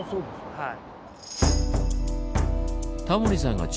はい。